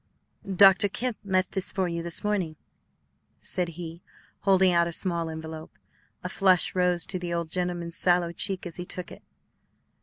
"Dr. Kemp left this for you this morning," said he, holding out a small envelope. A flush rose to the old gentleman's sallow cheek as he took it.